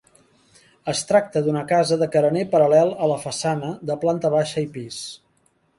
Es tracta d'una casa de carener paral·lel a la façana de planta baixa i pis.